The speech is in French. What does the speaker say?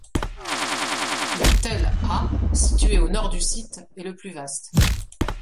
Le tell A, situé au nord du site, est le plus vaste.